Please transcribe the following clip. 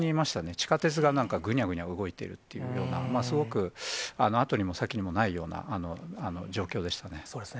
地下鉄がなんかぐにゃぐにゃ動いてるっていうような、すごく、後にも先にもないような状況でしたね。